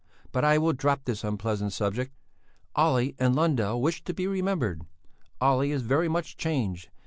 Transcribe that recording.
But I will drop this unpleasant subject. "Olle and Lundell wish to be remembered. Olle is very much changed.